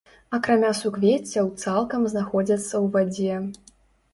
Акрамя суквеццяў цалкам знаходзяцца ў вадзе.